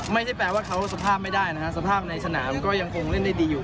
ไม่ได้แปลว่าเขาสภาพไม่ได้นะฮะสภาพในสนามก็ยังคงเล่นได้ดีอยู่